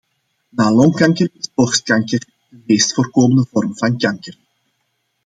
Na longkanker is borstkanker de meest voorkomende vorm van kanker.